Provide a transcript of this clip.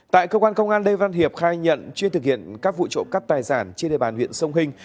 tại cơ quan công an lê văn hiệp khai nhận chuyên thực hiện các vụ trộm cắp tài sản trên đề bàn huyện sông hinh